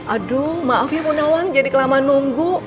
aduh maaf ya bu nawang jadi kelamaan nunggu